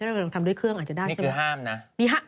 นี่คือห้ามนะ